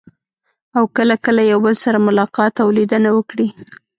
او کله کله یو بل سره ملاقات او لیدنه وکړي.